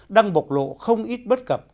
đang bộc lộ không ít bất cập